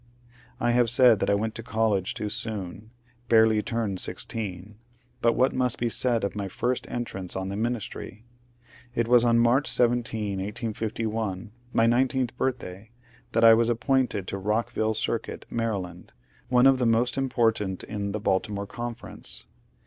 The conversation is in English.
I have said that I went to college too soon — barely turned sixteen, — but what must be said of my first entrance on the ministry ? It was on March 17, 1851, — my nineteenth birth day,— that I was appointed to Bockville Circuit, Maryland, one of the most important in the Baltimore Conference.